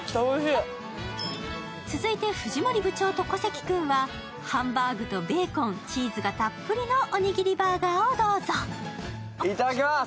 続いて藤森部長と小関君はハンバーグとベーコン、チーズがたっぷりのおにぎりバーガーをどうぞ。